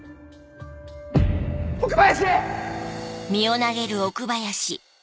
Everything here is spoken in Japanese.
奥林！